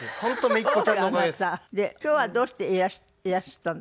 で今日はどうしていらしたんですか？